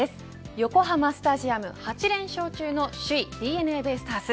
横浜スタジアム８連勝中の首位ＤｅＮＡベイスターズ。